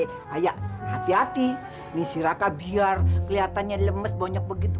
eh ayah hati hati nih si raka biar kelihatannya lemes bonyok begitu